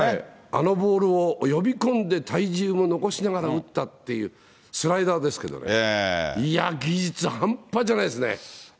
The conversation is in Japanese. あのボールを呼び込んで体重も残しながら打ったっていう、スライダーですけどね、いやー、技術半端じゃないですね。